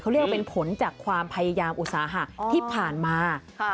เรียกว่าเป็นผลจากความพยายามอุตสาหะที่ผ่านมา